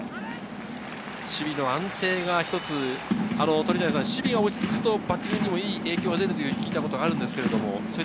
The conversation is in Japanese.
守備の安定が、守備が落ち着くとバッティングにもいい影響が出てくると聞いたことがあります。